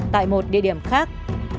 tại một địa điểm khác